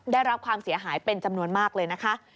ได้รับความเสียหายเป็นจำนวนมากเลยนะคะ